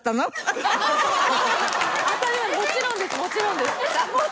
もちろんですもちろんです。